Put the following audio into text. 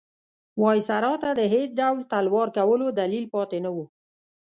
وایسرا ته د هېڅ ډول تلوار کولو دلیل پاتې نه وو.